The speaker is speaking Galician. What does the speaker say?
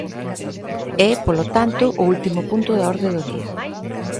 É, polo tanto, o último punto da orde do día.